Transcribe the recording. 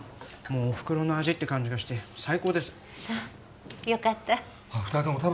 もうお袋の味って感じがして最高ですそうよかった